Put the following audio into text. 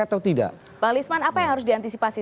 atau tidak pak lisman apa yang harus diantisipasi